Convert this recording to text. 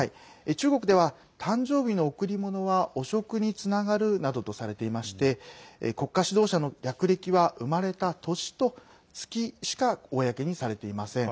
中国では、誕生日の贈り物は汚職につながるなどとされていまして国家指導者の略歴は生まれた年と月しか公にされていません。